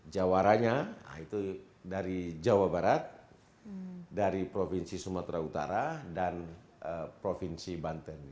jawaranya itu dari jawa barat dari provinsi sumatera utara dan provinsi banten